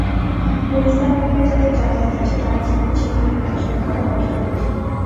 গুলিস্তান এলাকায় যাঁদের যাতায়াত আছে, তারা জানেন, সেখানে হাঁটাচলা করা কতটা কঠিন।